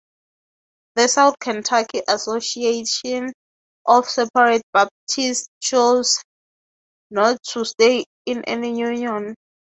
The South Kentucky Association of Separate Baptists choose not to stay in any union.